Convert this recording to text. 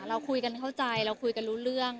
เราคุยกันเข้าใจเราคุยกันรู้เรื่อง